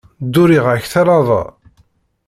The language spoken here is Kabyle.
Dduriɣ-ak talaba.